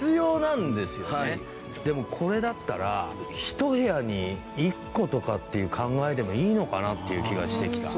でもこれだったら一部屋に１個とかっていう考えでもいいのかなっていう気がしてきた。